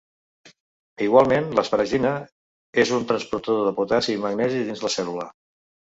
Igualment, l’asparagina és un transportador de potassi i magnesi dins la cèl·lula.